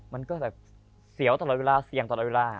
มันก็แบบเสียวตลอดเวลาเสี่ยงตลอดเวลา